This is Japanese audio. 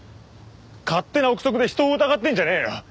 勝手な臆測で人を疑ってんじゃねえよ！